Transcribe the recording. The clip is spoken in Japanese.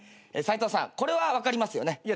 サイトウさんこれは分かりますよね。